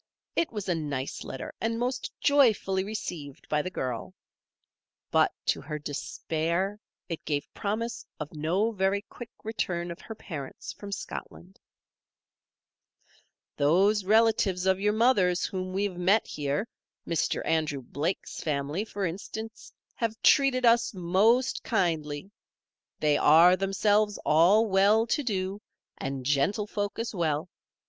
It was a nice letter and most joyfully received by the girl; but to her despair it gave promise of no very quick return of her parents from Scotland: "Those relatives of your mother's whom we have met here, Mr. Andrew Blake's family, for instance, have treated us most kindly. They are, themselves, all well to do, and gentlefolk as well.